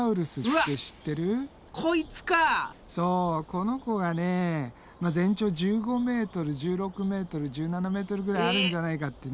この子がね全長１５ｍ１６ｍ１７ｍぐらいあるんじゃないかってね。